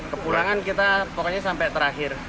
kepulangan kita pokoknya sampai terakhir